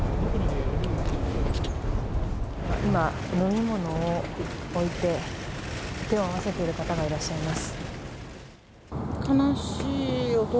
今、飲み物を置いて手を合わせている方がいらっしゃいます。